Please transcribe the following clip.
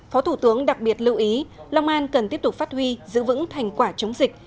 phó thủ tướng đặc biệt lưu ý long an cần tiếp tục phát huy giữ vững thành quả chống dịch